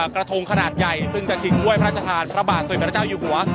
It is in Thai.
กระทงขนาดใหญ่ซึ่งจะชิงถ้วยพระราชทานพระบาทสมเด็จพระเจ้าอยู่หัว